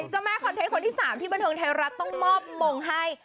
เจ้าแม่คอนเทนต์คนที่๓ที่บันเทิงไทยรัฐต้องมอบมงให้